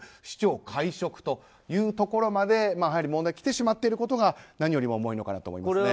市長解職というところまで問題がきてしまっていることが何よりも重いのかなと思います。